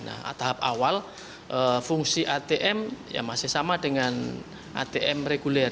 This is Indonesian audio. nah tahap awal fungsi atm ya masih sama dengan atm reguler